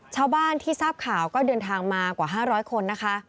ชาวบ้านที่ทราบข่าวก็เดินทางมากว่า๕๐๐คนนะคะ